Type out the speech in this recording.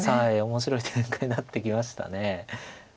面白い展開になってきました。